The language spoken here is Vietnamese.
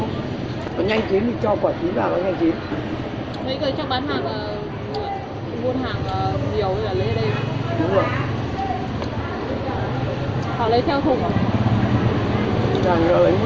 nó nhanh chín thì cho quả chín vào nó nhanh chín